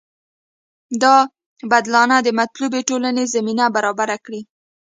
دا بدلانه د مطلوبې ټولنې زمینه برابره کړي.